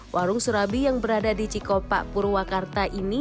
warung surabi yang berada di cikopak purwakarta ini